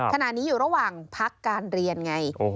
ขณะนี้อยู่ระหว่างพักการเรียนไง